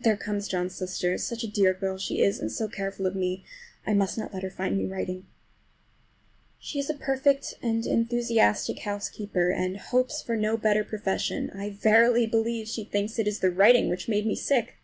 There comes John's sister. Such a dear girl as she is, and so careful of me! I must not let her find me writing. She is a perfect, and enthusiastic housekeeper, and hopes for no better profession. I verily believe she thinks it is the writing which made me sick!